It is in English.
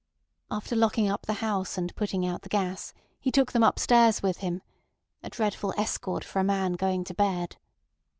After locking up the house and putting out the gas he took them upstairs with him—a dreadful escort for a man going to bed.